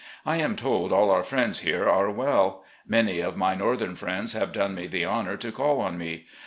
I am told all our friends here are well. Many of my northern friends have done me the honour to call on me.